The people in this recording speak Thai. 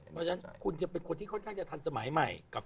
เพราะฉะนั้นคุณจะเป็นคนที่ค่อนข้างจะทันสมัยใหม่กับ